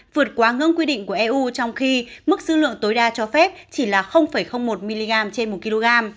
vượt quá ngưỡng quy định của eu trong khi mức dư lượng tối đa cho phép chỉ là một mg trên một kg